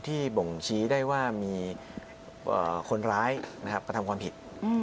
บ่งชี้ได้ว่ามีคนร้ายกระทำความผิด